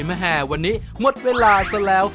แม่วันนี้หมดเวลาซะแล้ว